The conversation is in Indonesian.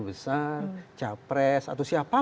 besar capres atau siapa